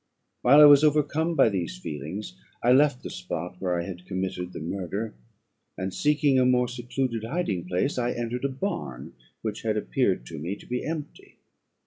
"While I was overcome by these feelings, I left the spot where I had committed the murder, and seeking a more secluded hiding place, I entered a barn which had appeared to me to be empty.